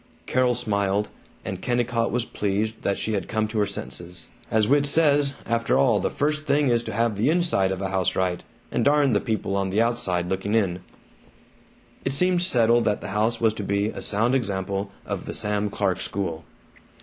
Carol smiled, and Kennicott was pleased that she had come to her senses. "As Whit says, after all the first thing is to have the inside of a house right, and darn the people on the outside looking in!" It seemed settled that the house was to be a sound example of the Sam Clark school.